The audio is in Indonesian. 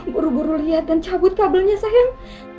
buru buru lihat dan cabut kabelnya sayang